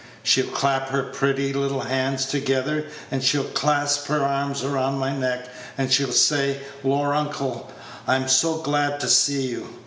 She'll clap her pretty little hands together, and she'll clasp her arms round my neck, and she'll say, 'Lor, uncle, I am so glad to see you.'